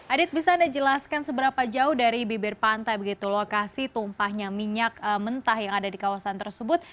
adit bisa anda jelaskan seberapa jauh dari bibir pantai begitu lokasi tumpahnya minyak mentah yang ada di kawasan tersebut